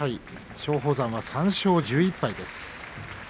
松鳳山は３勝１１敗です。